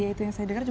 itu yang saya dengar